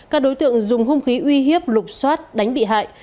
các đối tượng dùng hung khí uy hiếp lục xoát đánh bị hại